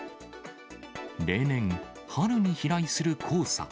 例年、春に飛来する黄砂。